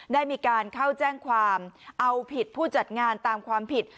ได้มีการเข้าแจ้งความเอาผิดผู้จัดงานตามความผิด